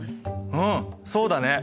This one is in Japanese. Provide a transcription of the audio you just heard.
うんそうだね！